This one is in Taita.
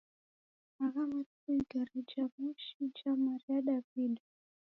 Agha matuku igare ja mosi jamaria Dawida.